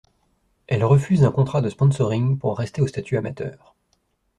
Elle refuse un contrat de sponsoring pour rester au statut amateur.